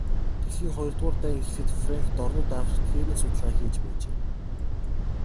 Дэлхийн хоёрдугаар дайн эхлэхэд Фрэнк дорнод Африкт хээрийн судалгаа хийж байжээ.